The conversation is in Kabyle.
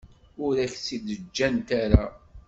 Ur ak-tt-id-ǧǧant ara.